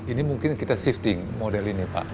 ini mungkin kita shifting model ini pak